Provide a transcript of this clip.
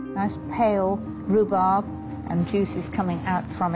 はい。